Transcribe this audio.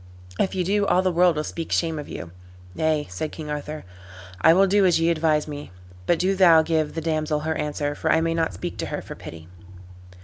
If ye do all the world will speak shame of you." "Nay," said King Arthur, "I will do as ye advise me; but do thou give the damsel her answer, for I may not speak to her for pity."